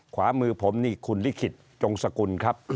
ขวามือผมนี่คุณลิขิตจงสกุลครับ